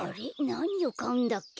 なにをかうんだっけ？